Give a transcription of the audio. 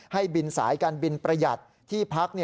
ให้บินสายการบินประหยัดที่พัก